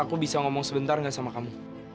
aku bisa ngomong sebentar gak sama kamu